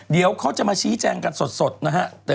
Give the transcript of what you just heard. เดี๋ยวเขาจะมาชี้แจงกันสดนะฮะ